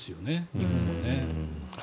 日本はね。